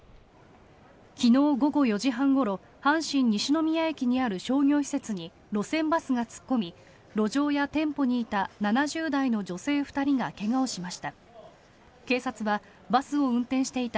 昨日午後４時半ごろ阪神西宮駅にある商業施設に路線バスが突っ込み路上や店舗にいた７０代の女性２人が怪我をしました。